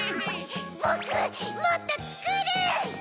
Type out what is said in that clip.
ボクもっとつくる！